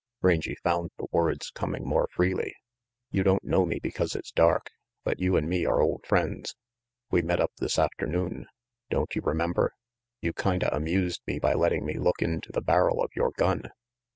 Rangy found the words coming more freely. "You don't know me because it's dark, but you and me are old friends. We met up this afternoon. Don't you remember? You kinda amused me by letting me look into the barrel of yore gun."